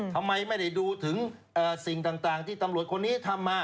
ทำไมไม่ได้ดูถึงสิ่งต่างที่ตำรวจคนนี้ทำมา